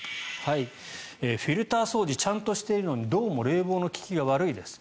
フィルター掃除ちゃんとしているのにどうも冷房の利きが悪いです。